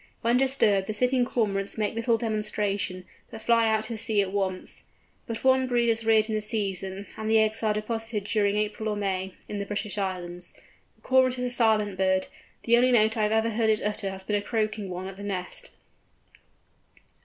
When disturbed the sitting Cormorants make little demonstration, but fly out to sea at once. But one brood is reared in the season, and the eggs are deposited during April or May, in the British Islands. The Cormorant is a silent bird: the only note I have ever heard it utter has been a croaking one at the nest.